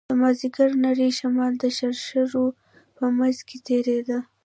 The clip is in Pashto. د مازديګر نرى شمال د شرشرو په منځ کښې تېرېده.